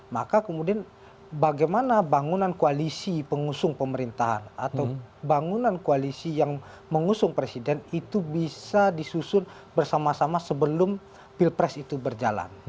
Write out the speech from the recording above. maka kemudian bagaimana bangunan koalisi pengusung pemerintahan atau bangunan koalisi yang mengusung presiden itu bisa disusun bersama sama sebelum pilpres itu berjalan